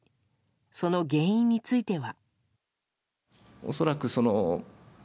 その原因については。